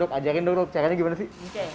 dok ajarin dong dok caranya gimana sih